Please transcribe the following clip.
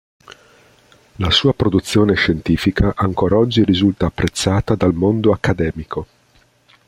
La sua produzione scientifica ancora oggi risulta apprezzata dal mondo accademico.